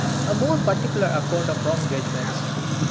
A more particular Account of wrong Judgments.